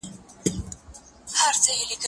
دا د کتابتون د کار مرسته ګټوره ده،